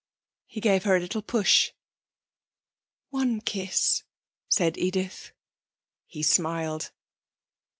He gave her a little push. 'One kiss,' said Edith. He smiled.